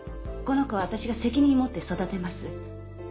この子は私が責任持って育てます。